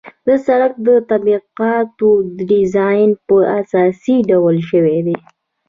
د سرک د طبقاتو ډیزاین په اساسي ډول شوی دی